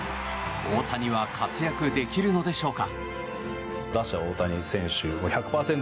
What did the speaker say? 大谷は活躍できるのでしょうか。